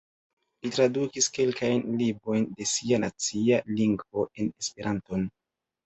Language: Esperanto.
Li tradukis kelkajn librojn de sia nacia lingvo en Esperanton.